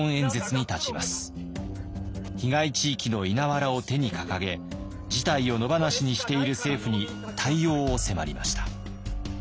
被害地域の稲わらを手に掲げ事態を野放しにしている政府に対応を迫りました。